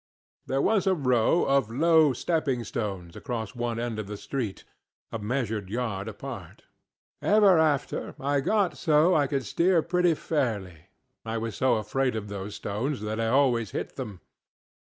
There was a row of low stepping stones across one end of the street, a measured yard apart. Even after I got so I could steer pretty fairly I was so afraid of those stones that I always hit them.